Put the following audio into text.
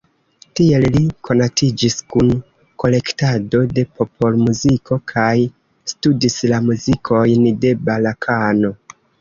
Tiel li konatiĝis kun kolektado de popolmuziko kaj studis la muzikojn de Balkano.